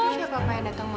bisa pak mau datang mama